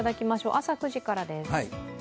朝９時からです。